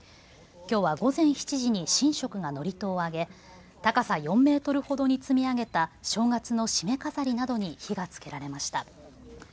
きょうは午前７時に神職が祝詞を上げ高さ４メートルほどに積み上げた正月のしめ飾りなどに火がつけられました。